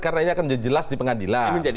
karena ini akan jelas di pengadilan